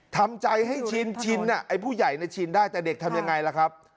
ทำใจให้ชินชินไอ้ผู้ใหญ่ชินได้แต่เด็กทำยังไงล่ะครับ